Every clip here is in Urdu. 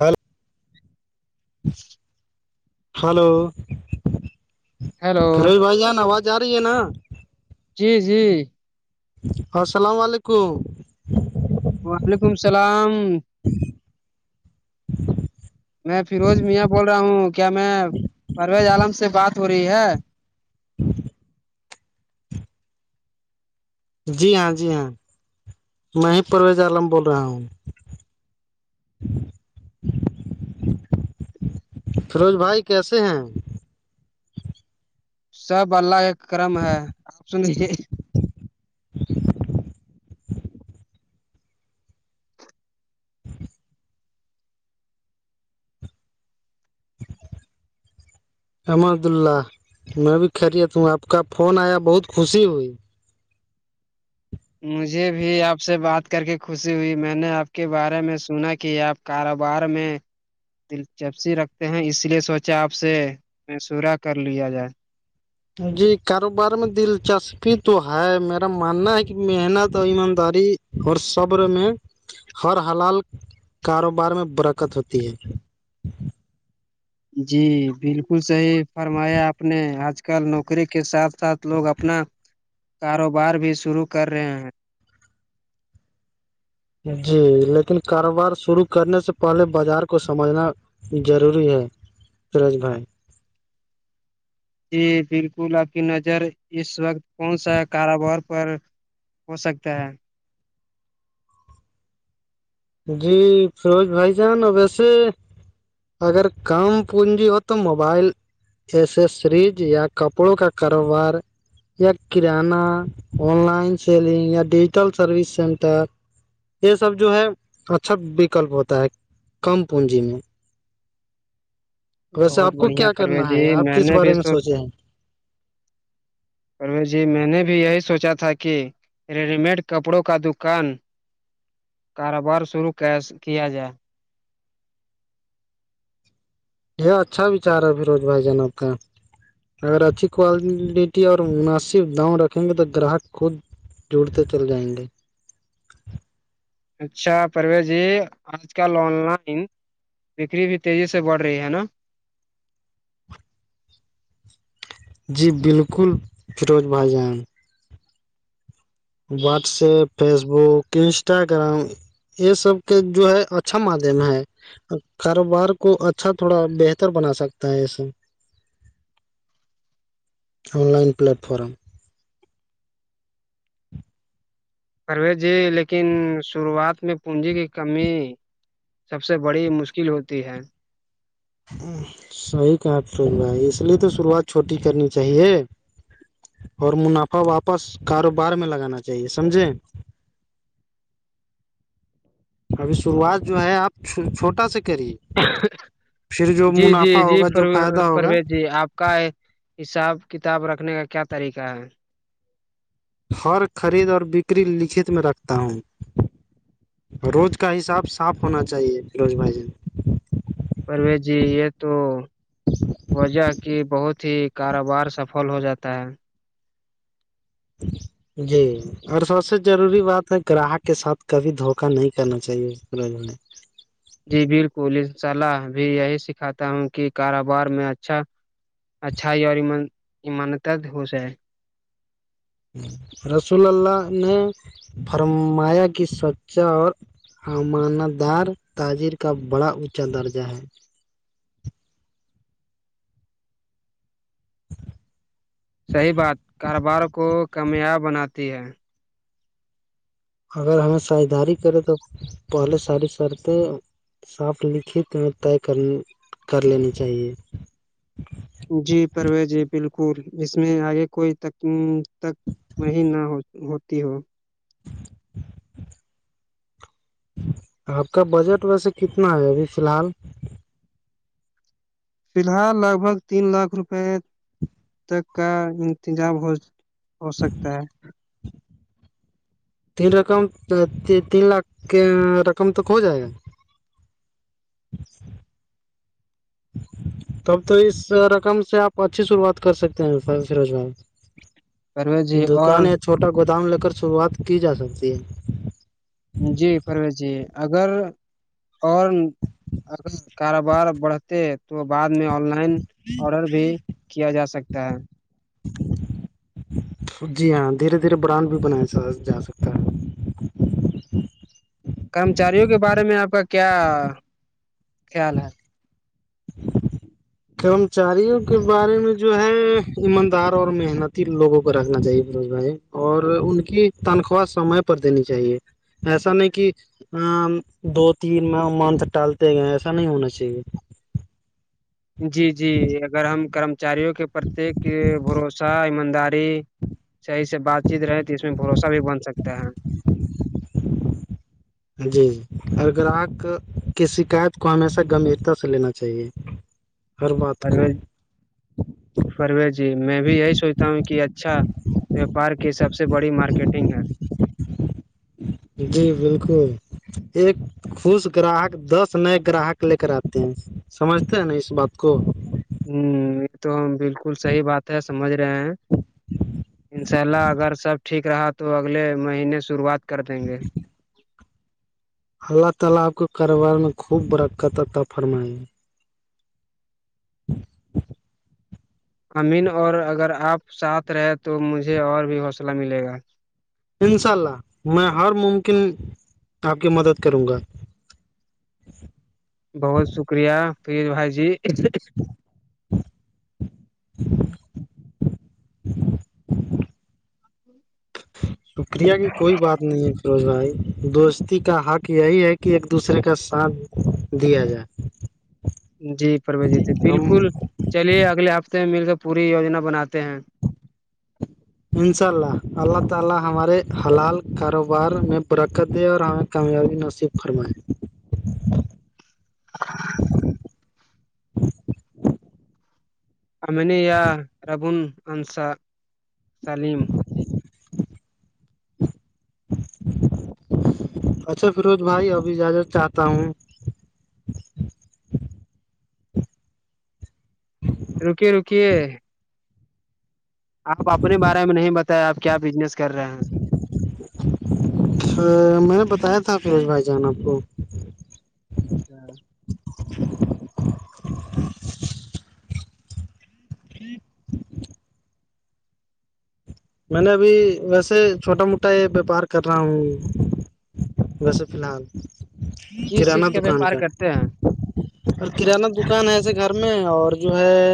ہل ہلو ہیلو فروز بھائی جان آواز آ رہی ہے نا جی جی السلام علیکم وعلیکم سلام میں فیروز میاں بول رہا ہوں کیا میں پرویز عالم سے بات تھوری ہے جی ہاں جی ہاں میں ہی پرویز عالم بول رہا ہوں فیروز بھائی کیسے ہیں سب اللہ کہ کرم ہے آپ سنے الحمد اللہ میں بھی خریت ہوں آپ کا فون آیا بہت خوشی ہوئی مجھے بھی آپ سے بات کر کے خوشی ہوئی میں نے آپ کے بارے میں سنا کہ آپ کاروبار میں دلچپسی رکھتے ہیں اس لیے سوچا آپ سے مشورہ کر لیا جائے جی کاروبار میں دلچسپی تو ہے میرا ماننا ہے کہ محنت اور ایمانداری اور صبر میں ہر حلال کاروبار میں برکت ہوتی ہے جی بالکل صحیح فرمایا آپ نے آج کل نوکری کے ساتھ ساتھ لوگ اپنا کاروبار بھی شروع کر رہے ہیں جی لیکن کاروبار شروع کرنے سے پہلے بازار کو سمجھنا ضروری ہے فیروز بھائی جی بالکل آپ کی نظر اس وقت کون سا کاروبار پر ہو سکتا ہے جی فیروج بھائی جان ویسے اگر کام پونجی ہو تو موبائل جیسے فریج یا کپڑوں کا کاروبار یا کرانہ آن لائن سیلنگ یا ڈیجیٹل سروس سینٹر یہ سب جو ہے اچھا وکلپ ہوتا ہے کم پونجی میں ویسے بہت آپ کو بڑھیا کیا پروز کرنا جی ہے آپ میں کس نے بھی بارے تو سوچے ہیں پرویز جی میں نے بھی یہی سوچا تھا کہ ریڈی مڈ کپڑوں کا دکان کاروبار شروع کیا جائے یہ اچھا ویچار ہے فیروز بھائی جان آپ کا اگر اچھی کوالٹی اور مناسب دؤں رکھیں گے تو گراہک خود جڑتے چل جائیں گے اچھا پرویز جی آج کل آن لائن بکری بھی تیزی سے بڑھ رہی ہے نا جی بالکل فیروز بھائی جان واٹس ایپ فیسبک انسٹاگرام یہ سب کے جو ہے اچھا مادھیم ہے کاروبار کو اچھا تھوڑا بہتر بنا سکتا ہے اس سے آ لائن پلیٹفارم پروس جی لیکن شروعات میں پونجی کی کمی سب سے بڑی مشکل ہوتی ہے صحیح بات کہی ہے اس لیے تو شروعات چھوٹی کرنی چاہیے اور منافع واپس کاروبار میں لگانا چاہیے سمجھیں ابھی شروعات جو ہے آپ چھو چھوٹا سے کریے پھر جو جی جی منافع جی ہوگا پر جو فائدہ ہوگا پرویز جی آپ کا حساب کتاب رکھنے کا کیا طریقہ ہے ہر خرید بکری لکھت میں رکھتا ہوں روز کا حساب صاف ہونا چاہیے فروز بھائی جان پرویز جی یہ تو وجہ کی بہت ہی کاروبار سفل ہو جاتا ہے جی اور سب سے ضروری بات ہے گراہک کے ساتھ کبھی دھوکا نہیں کرنا چاہیے [unintelligible] جی بالکل انشاء اللہ بھی یہی سکھاتا ہوں کہ کاروبار میں اچھا اچھا ہی اور ایمان اماندر ہو چاہے ہے رسول اللہ نے فرمایا کی سچا اور امانتدار تاجر کا بڑا اونچا درجہ ہے صحیح بات کاروبار کو کامیاب بناتی ہے اگر ہمیں ساجھداری کرے تو پہلے ساری سرطیں ساتھ لکھت میں طے کر کر لینی چاہیے جی پروی جی بالکل اس میں آگے کوئی تک تک میں نہ ہو ہوتی ہو آپ کا بجٹ ویسے کتنا ہے ابھی فی الحال فی الحال لگ بھگ تین لاکھ روپے تک کا انتظام ہو ہو سکتا ہے تین رقم تین لاکھ کے رقم تک ہو جائے گا تب تو اس رقم سے آپ اچھی شروعات کر سکتے ہیں سر فیروج ب پرویز جی اور دکان یا چھوٹا گودام لے کر شروات کی جا سکتی ہے جی پرویز جی اگر اور اگر کاروبار بڑھ تے تو بعد میں آن لائن آڈر بھی کیا جا سکتا ہے جی ہاں دھیرے دھیرے برانڈ بھی بنایا جا سکتا ہے کرمچاریوں کے بارے میں آپ کا کیا خیال ہے کرمچاریوں کے بارے میں جو ہے ایماندار اور محنتی لوگوں کو رکھنا چاہیے بوزگ اور ان کی تنخواہ سمے پر دینی چاہیے ایسا نہیں کہ ہاں دو تین منت ٹالتے گئے ایسا نہیں ہونا چاہیے جی جی اگر ہم کرمچاریوں کے پرتیک بھروسہ ایمانداری صحیح سے بات چیت رہے تھے اس میں بھروسہ بھی بن سکتا ہے جی اور گراہک کی شکایت کو ہمیشہ گمبھییرتا سے لینا چاہیے ہر بات کو پروز پرویز جی میں بھی یہی سوچتا ہوں کہ اچھا وپار کی سب سے بڑی مارکیٹنگ ہے جی بالکل ایک خوش گراہک دس نئے گراہک لے کر آتے ہیں سمجھتے ہیں نا اس بات کو ہوں یہ تو ہم بالکل صحیح بات ہے سمجھ رہے ہیں ان شاء اللہ اگر سب ٹھیک رہا تو اگلے مہینے شروعات کر دیں گے اللہ تعالی آپ کے کاروبار میں خوب برکت تھا فرمائی امین اور اگر آپ ساتھ رہے تو مجھے اور بھی حوصلہ ملے گا انشاء اللہ میں ہر ممکن آپ کی مدد کروں گا بہت شکریہ فرید بھائی جی شکریہ کی کوئی بات نہیں ہے روز بائی دوستی کا حق یہی ہے کہ ایک دوسرے کا ساتھ دیا جائے جی پرمی جی تھی ہم بالکل چلیے اگلے ہفتے میں مل کے پوری یوجنا بناتے ہیں ان شاء اللہ اللہ تعالی ہمارے حلال کاروبار میں پرکت ہے اور ہمیں کامیابی نصیب فرمائے ہاں امن یا ربون انصا سلیم اچھا فیروز بھائی ابھی اجازت چاہتا ہوں رکیے رکیے آپ اپنے بارے میں نہیں بتایا آپ کیا بزنس کر رہے ہیں اچھا میں نے بتایا تھا فیروز بھائی جان آپ کو اچھا میں نے ابھی ویسے چھوٹا موٹا یہ ویاپار کر رہا ہوں ویسے فی الحال کس کرانہ چیز دکان ویاپار کا کرتے ہیں اور کرانہ دکان ہے ایسے گھر میں اور جو ہے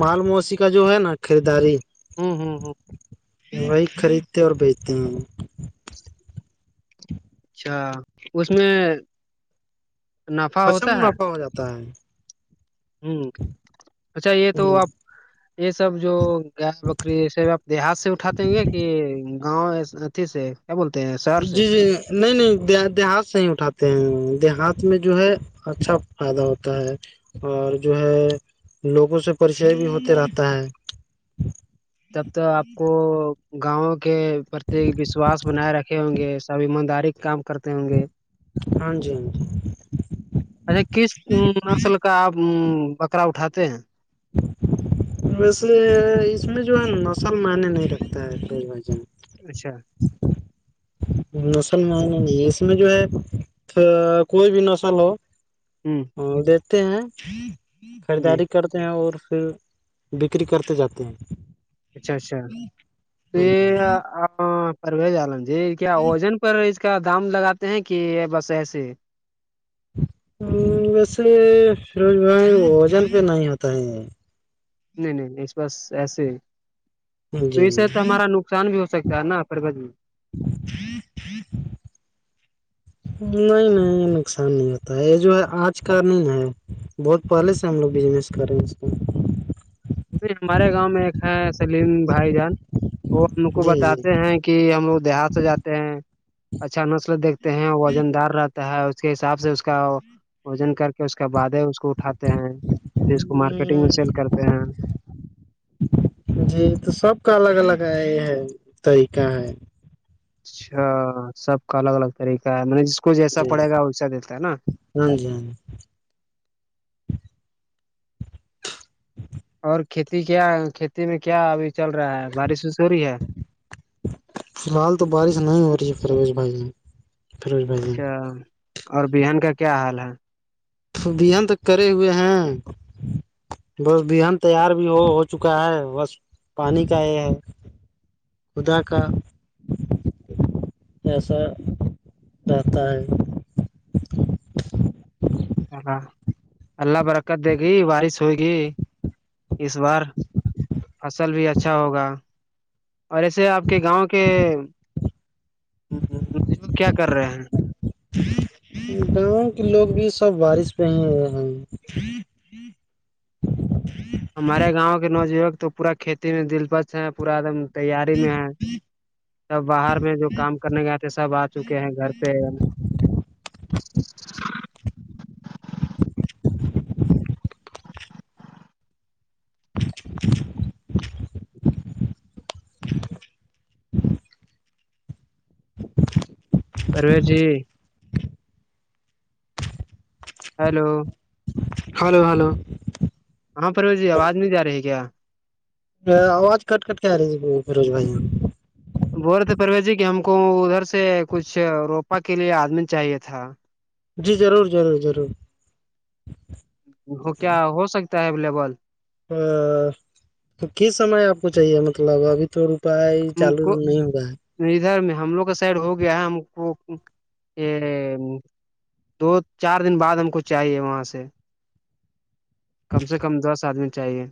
مال موسی کا جو ہے نا خریداری ہوں ہوں وہی خریدتے اور بیچتے ہیں ہم اچھا اس میں نفع اچھا ہوتا منافع ہو جاتا ہے ہوں اچھا یہ تو آپ یہ سب جو گائے بکری یہ سب آپ دیہات سے اٹھاتے ہیں گے کہ گاؤں اتھی سے کیا بولتے ہیں شہر سے جی جی نہیں نہیں دیہات سے ہی اٹھاتے ہیں دیہات میں جو ہے اچھا فائدہ ہوتا ہے اور جو ہے لوگوں سے پریچے بھی ہوتے رہتا ہے تب تو آپ کو گاؤں کے پرتی وشواس بنائے رکھے ہوں گے سب ایمانداری کام کرتے ہوں گے ہاں جی ہاں جی اچھا کس نسل کا آپ بکرا اٹھاتے ہیں ویسے اس میں جو ہے نسل معنی نہیں رکھتا ہے بھائی جان اچھا نسل مینے نئی اس میں جو ہے کوئی بھی نسل ہو ہوں ہمم دیتے ہیں جی خریداری کر تے ہیں اور پھر بکری کرتے جاتے ہیں اچھا اچھا تو ہاں یہ جی اپ پرویز عالم جی کیا وجن پر اس کا دام لگاتے ہیں کہ بس ایسے ویسے فیروج بھائی وزن پہ نہیں ہوتا ہے نہیں نہیں نہیں اس پاس ایسے جی پھر سے تو ہمارا نقصان بھی ہو سکتا ہے نا فیروز جی نہیں نہیں نقصان نہیں ہوتا ہے یہ جو ہے آج کا نہیں ہے بہت پہلے سے ہم لوگ بزنس کرے اس کا ہمارے گاؤں میں ایک ہے سلیم بھائی جان وہ ہم کو جی جی بتاتے ہیں کہ ہم لوگ دیہات سے جاتے ہیں اچھا نسل دیکھتے ہیں وزن دار رہ تا ہے اس کے حساب سے اس کا وزن کر کے اس بعد ہے کو اٹھاتے ہیں اور پھر اس کو مارکیٹنگ میں سیل کرتے ہیں جی تو سب کا الگ الگ یہ ہے طریقہ ہے اچھا سب کا الگ الگ طریقہ ہے مطلب جس کو جیسا پڑے گا ویسا دیتا ہے نا بھائی جان اور کھیتی کیا کھیتی میں کیا ابھی چل رہا ہے بارش وش ہو رہی ہے فی الحال تو بارش نہیں ہو رہی ہے فیروز بھائی فروز بھائی اچھا اور بہان کا کیا حال ہے بیانات کرے ہوئے ہیں بس بہان تیار بھی ہو چکا ہے بس پانی کا یہ ہے خدا کا کیسا بتائیں آہ آہ اللہ برکت دے گی بارش ہوئے گی اس بار فصل بھی اچھا ہوگا اور ایسے آپ کے گاؤں کے [unintelligible] کیا کر رہے ہیں گاؤں کے لوگ بھی سب بارش پہ ہی رہ ہیں ہمارے گاؤں کے نوجیوک تو پورا کھیتی میں دلپش ہے پورا ایک دم تیاری میں ہے سب باہر میں جو کام کرنے گ آتے سب آ چکے ہیں گھر پہ آرے جی ہیلو ہیلو ہیلو ہاں پروش جی آواز نہیں جا رہی کیا آواج کٹ کٹ کے آ رہی فروج بھائی بولے تھے پرویش جی کہ ہم کو ادھر سے کچھ روپا کے لیے آدمی چاہیے تھا جی ضرور ضرور ضرور وہ کیا ہو سک تا ہے اولیبل ا کس سمے آپ کو چاہیے مطلب ابھی تھوڑی ائے [unintelligible] ہم چالو کو نہیں ہوا ہے ادھر میں ہم لوگ کا سائڈ ہو گیا ہے ہم کو یہ دو چار دن بعد ہم کو چاہیے وہاں سے کم سے کم دس آدمی چاہیے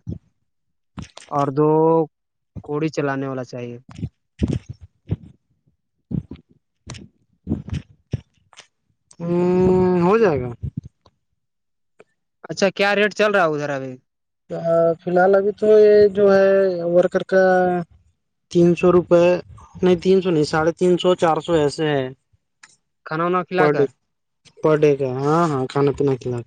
اور دو کوڑی چلانے والا چاہیے ہوں ہو جائے گا اچھا کیا ریٹ چل رہا ہے ادھر ابھی فی الحال ابھی تو یہ جو ہے ورکر کا تین سو روپئے نہیں تین سو نہیں ساڑھے تین سو چار سو ایسے ہے کھانا وانا کھلا پر کر ڈے پر ڈے کا ہاں ہاں کھانا پینا کھلاکے